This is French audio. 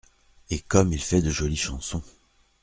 Et comme il fait de jolies chansons !